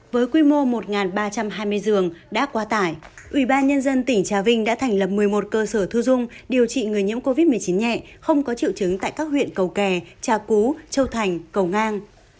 với quy mô một ba trăm hai mươi dường đã quá tải ủy ban nhân dân tỉnh trà vinh đã thành lập một mươi một cơ sở thu dung điều trị người nhiễm covid một mươi chín nhẹ không có triệu chứng tại các huyện cầu kè trà cú châu thành cầu ngang